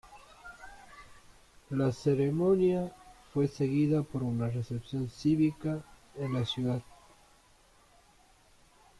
La ceremonia fue seguida por una recepción cívica en la ciudad.